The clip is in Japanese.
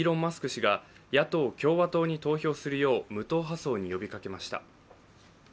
氏が野党共和党に投票するよう無党派層に呼びかけました。